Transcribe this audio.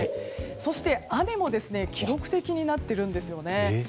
そして、雨も記録的になっているんですよね。